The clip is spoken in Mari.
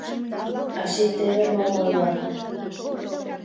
Ачий теве мом ойла.